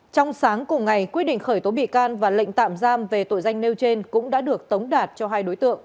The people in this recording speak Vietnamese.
trong sáng cùng ngày quyết định khởi tố bị can và lệnh tạm giam về tội danh nêu trên cũng đã được tống đạt cho hai đối tượng